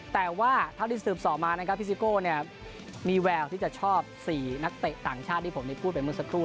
แต่ว่าเท่าที่สืบสอบมานะครับพี่ซิโก้เนี่ยมีแววที่จะชอบ๔นักเตะต่างชาติที่ผมได้พูดไปเมื่อสักครู่